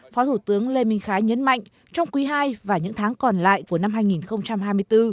phó thủ tướng lê minh khái nhấn mạnh trong quý ii và những tháng còn lại của năm hai nghìn hai mươi bốn